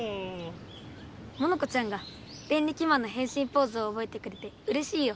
モノコちゃんがデンリキマンのへんしんポーズをおぼえてくれてうれしいよ！